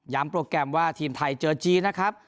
โปรแกรมว่าทีมไทยเจอจีนนะครับ